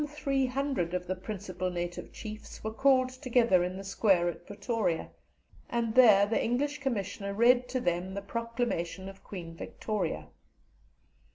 Some three hundred of the principal native chiefs were called together in the Square at Pretoria, and there the English Commissioner read to them the proclamation of Queen Victoria.